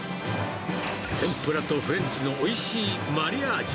天ぷらとフレンチのおいしいマリアージュ。